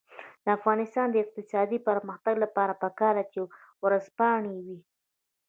د افغانستان د اقتصادي پرمختګ لپاره پکار ده چې ورځپاڼې وي.